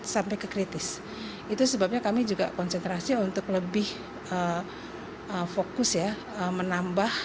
sampai ke kritis itu sebabnya kami juga konsentrasi untuk lebih fokus ya menambah